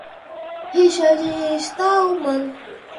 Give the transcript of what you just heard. Richard Stallman